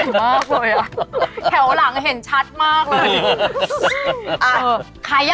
แครวหลังเห็นชัดมากเลย